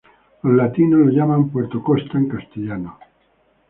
Los latinos lo llaman Puerto Costa en castellano.